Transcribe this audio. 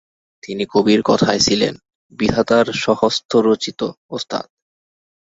তিনি কবির কথায় ছিলেন "বিধাতার স্বহস্তরচিত" ওস্তাদ।